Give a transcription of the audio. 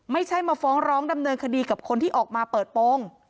ไม่ใช่มาฟ้องร้องดำเนินคดีกับคนที่ออกมาเปิดโปรง